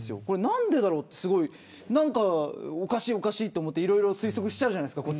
何でだろうと、おかしいと思っていろいろ推測しちゃうじゃないですか。